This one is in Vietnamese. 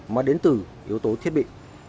mà đến từ yếu tố thiết bị